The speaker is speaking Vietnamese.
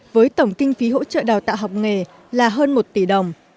với tổng kinh phí hỗ trợ đào tạo học nghề là hơn một tỷ đồng